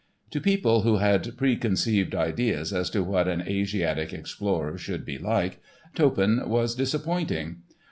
To people who had preconceived ideas as to what an Asiatic explorer should be like, Toppan was disappointing.